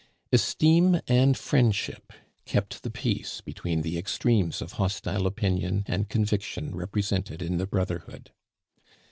Esteem and friendship kept the peace between the extremes of hostile opinion and conviction represented in the brotherhood.